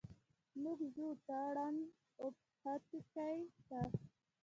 موږ ځو تارڼ اوبښتکۍ ته.